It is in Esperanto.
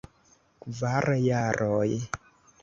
Kvar jaroj.